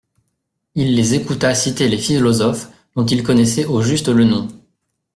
Il les écouta citer les philosophes dont il connaissait au juste le nom.